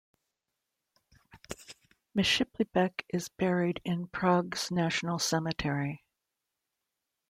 Myslbek is buried in Prague's National Cemetery.